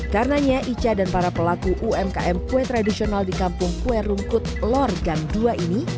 karenanya eja dan para pelaku umkm kue tradisional di kampung kue rungkut lor gang dua ini